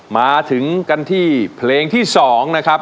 มาถึงกันที่เพลงที่๒นะครับ